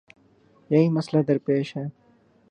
یہی مسئلہ درپیش ہے۔